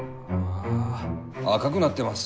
あ赤くなってます。